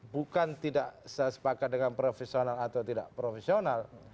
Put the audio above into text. bukan tidak sepakat dengan profesional atau tidak profesional